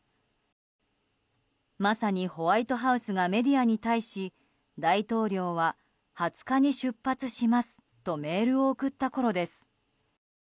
まさに、ホワイトハウスがメディアに対し大統領は２０日に出発しますとメールを送ったころです。